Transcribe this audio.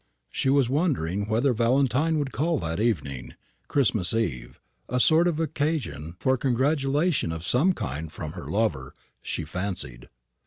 She was wondering whether Valentine would call that evening, Christmas eve a sort of occasion for congratulation of some kind from her lover, she fancied.